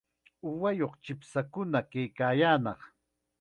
Uwayuq chipshakuna kaykaayaanaq.